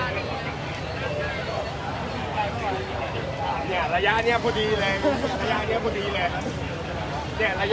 ระยะเนี้ยพอดีเลยระยะเนี้ยพอดีเลยระยะเนี้ยพอดีเลย